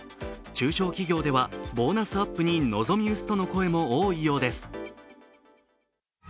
中小企業ではボーナスアップに臨み薄との声も多いようです。